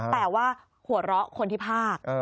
แต่ว่าหัวเราะคนที่ภาค